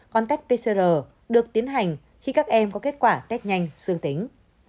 còn tech pcr được tiến hành khi các em có kết quả test nhanh xương tính